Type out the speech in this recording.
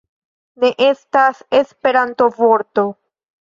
Ne estas Esperanto-vorto